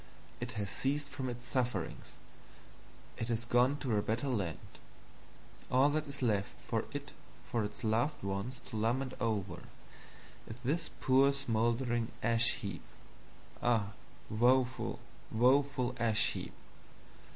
It has ceased from its Sufferings, it has gone to a better Land; all that is left of it for its loved Ones to lament over, is this poor smoldering Ash heap. Ah, woeful, woeful Ash heap!